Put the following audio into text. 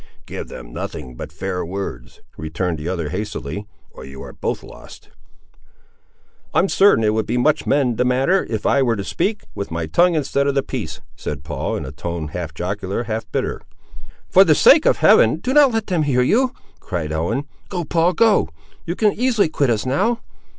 "Give them nothing but fair words," returned the other, hastily, "or you are both lost." "I'm not certain it would much mend the matter, if I were to speak with my tongue instead of the piece," said Paul, in a tone half jocular half bitter. "For the sake of heaven, do not let them hear you!" cried Ellen. "Go, Paul, go; you can easily quit us now!"